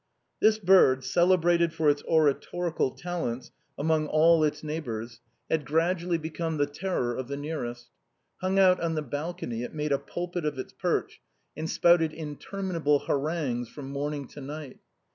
This bird, celebrated for its oratorical talents among all the neighbors, had gradually become the terror of the nearest. Hung out on the balcony, it made a pulpit of its perch and spouted interminable harrangues from morning to night.